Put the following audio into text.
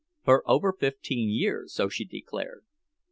For over fifteen years, so she declared.